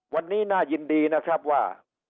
วันนี้น่ายินดีนะครับว่า